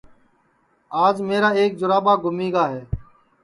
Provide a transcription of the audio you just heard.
آج میرا ایک جُراٻا گُمی گا ہے